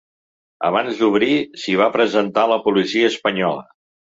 Abans d’obrir, s’hi va presentar la policia espanyola.